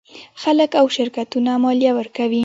خلک او شرکتونه مالیه ورکوي.